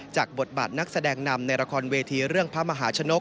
บทบาทนักแสดงนำในละครเวทีเรื่องพระมหาชนก